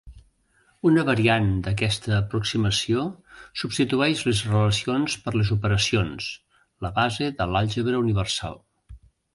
Una variant d'aquesta aproximació substitueix les relacions per les operacions, la base de l'àlgebra universal.